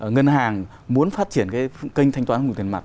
ngân hàng muốn phát triển cái kênh thanh toán không dùng tiền mặt